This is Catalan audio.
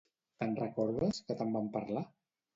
Te'n recordes, que te'n vam parlar?